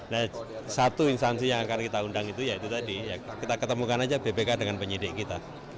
nah satu instansi yang akan kita undang itu ya itu tadi ya kita ketemukan aja bpk dengan penyidik kita